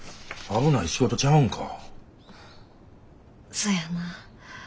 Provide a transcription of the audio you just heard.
そやな。